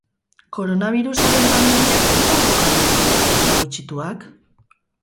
Koronabirusaren pandemiak, non kokatu ditu hizkuntza gutxituak?